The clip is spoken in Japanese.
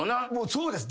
そうです。